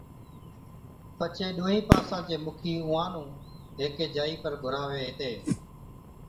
پڇي ڏُونھُون پاسان چي مُکِي اُونھان نُون ھيڪِي جائِي پر گھُراوي ھَتي